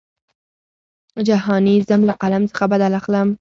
جهاني ځم له قلم څخه بدل اخلم.